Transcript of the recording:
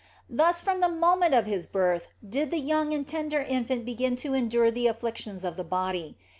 Thus from the moment of His birth did the young and tender infant begin to endure the afflictions of the body.